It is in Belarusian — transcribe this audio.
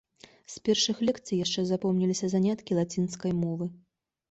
З першых лекцый яшчэ запомніліся заняткі лацінскай мовы.